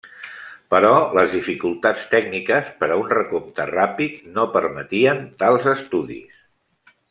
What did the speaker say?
Però les dificultats tècniques per a un recompte ràpid no permetien tals estudis.